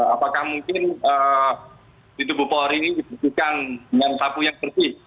apakah mungkin di tubuh polri ini dibersihkan dengan sapu yang bersih